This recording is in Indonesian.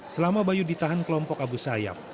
selama bayu ditahan kelompok abu sayyaf